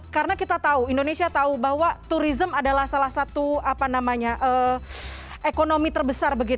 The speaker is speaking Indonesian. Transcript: karena kita tahu indonesia tahu bahwa turisme adalah salah satu ekonomi terbesar